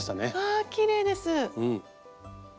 あきれいです！